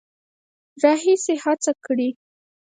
راهیسې هڅه کړې